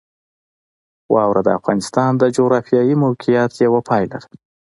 واوره د افغانستان د جغرافیایي موقیعت یوه پایله ده.